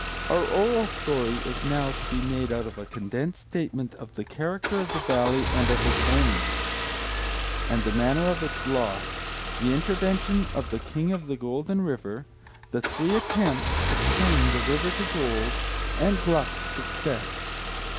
Our oral story is now to be made out of a condensed statement of the character of the Valley and of its owners, and the manner of its loss; the intervention of the King of the Golden River; the three attempts to turn the river to gold, and Gluck's success.